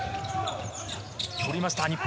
取りました、日本。